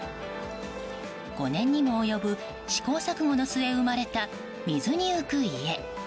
５年にも及ぶ試行錯誤の末生まれた、水に浮く家。